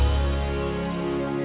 kalau kau mau cari siapa